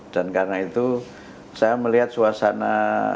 dan karena itu saya melihat suasana